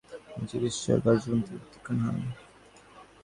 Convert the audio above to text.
তিনি চিকিৎসা শিক্ষা কার্যক্রম থেকে প্রত্যাখ্যাত হন।